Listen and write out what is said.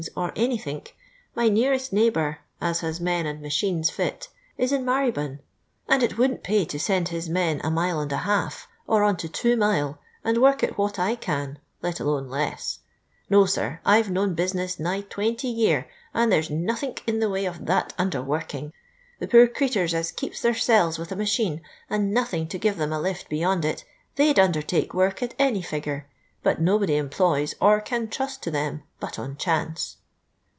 or anythink, my nearest neighbour, as has men and machines fit, is in Marrybnn ; and it wouldn't pay to send his men a mile and a half, or on to two mile, and work at what I can — ^let alone less. No, sir, I 've known bisness nigh 20 year, and there *s nothiuk in the way of tliat underworking. The poor crceturs as keeps thcirsclves with a machine, and nothing to give them a lift beyond it, thetf 'd undertake work at any figure, but nobody em ploys or can trust to them, but on chance.